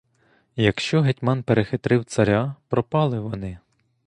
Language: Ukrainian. Якщо гетьман перехитрив царя — пропали вони!